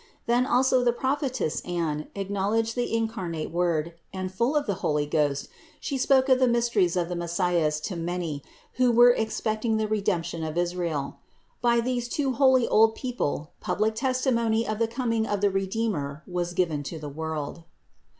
Then also the prophetess Anne acknowledged the incar nate Word, and full of the Holy Ghost, she spoke of the mysteries of the Messias to many, who were expecting the redemption of Israel. By these two holy old people public testimony of the coming of the Redeemer was given to the world.